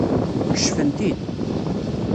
Kecfen-t-id.